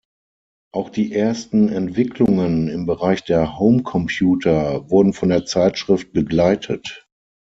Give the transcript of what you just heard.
Auch die ersten Entwicklungen im Bereich der Homecomputer wurden von der Zeitschrift begleitet.